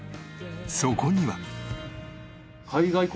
そこには。